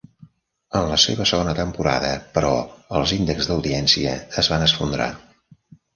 En la seva segona temporada, però, els índexs d'audiència es van esfondrar.